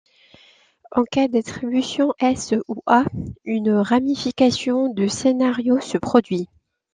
En cas d'attribution S ou A, une ramification du scénario se produit.